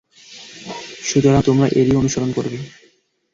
সুতরাং তোমরা এরই অনুসরণ করবে।